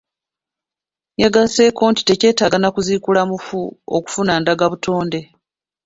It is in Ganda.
Yagasseeko nti tekyetaaga nakuziikula mufu okufuna ndagabuotnde.